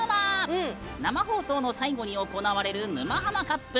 生放送の最後に行われる「沼ハマカップ」。